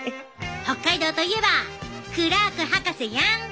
北海道といえばクラーク博士やん！